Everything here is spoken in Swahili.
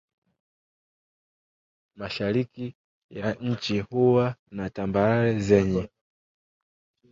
Mashariki ya nchi huwa na tambarare zenye